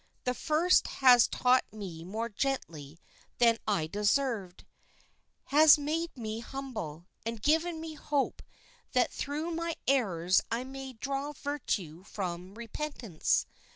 The first has taught me more gently than I deserved; has made me humble, and given me hope that through my errors I may draw virtue from repentance.